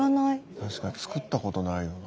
確かに作ったことないよな。